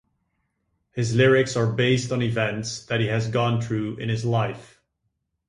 His lyrics are based on events that he has gone through in his life.